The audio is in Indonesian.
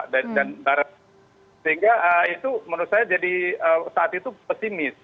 sehingga itu menurut saya jadi saat itu pesimis